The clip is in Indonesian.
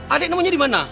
adik namanya dimana